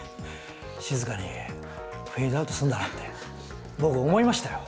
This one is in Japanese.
静かにフェードアウトするんだなって僕思いましたよ。